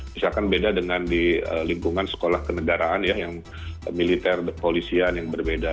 misalkan beda dengan di lingkungan sekolah kenegaraan ya yang militer polisian yang berbeda